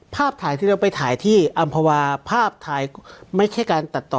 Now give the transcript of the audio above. ภาพถ่ายที่เราไปถ่ายที่อำภาวาภาพถ่ายไม่ใช่การตัดต่อ